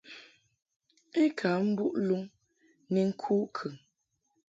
I ka mbuʼ luŋ ni ŋku kəŋ.